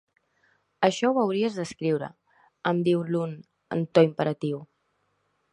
Això ho hauries d'escriure, em diu l'un en to imperatiu.